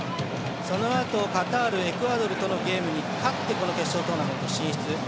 そのあと、カタールエクアドルとのゲームに勝って決勝トーナメント進出。